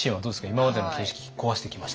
今までの形式壊してきました？